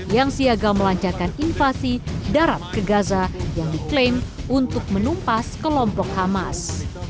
yang siaga melancarkan invasi darat ke gaza yang diklaim untuk menumpas kelompok hamas